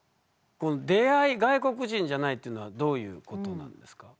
出会い外国人じゃないっていうのはどういうことなんですか？